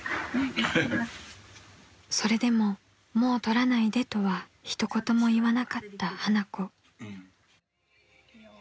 ［それでももう撮らないでとは一言も言わなかった花子］